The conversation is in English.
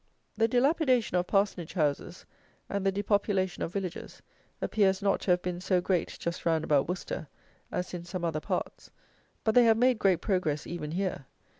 The dilapidation of parsonage houses and the depopulation of villages appears not to have been so great just round about Worcester, as in some other parts; but they have made great progress even here.